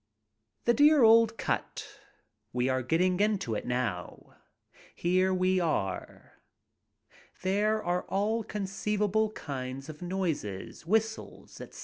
The dear old cut. We are getting into it now. Here we are. There are all conceivable kinds of noises, whistles, etc.